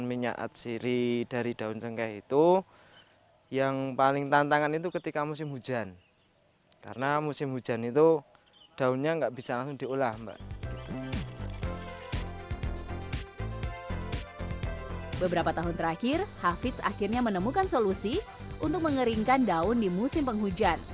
menyasar masyarakat indonesia yang belakangan peduli dengan gaya hidup sehat